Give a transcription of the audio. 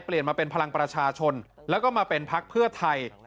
เปลี่ยนมาเป็นพลังประชาชนแล้วก็มาเป็นพักเพื่อไทย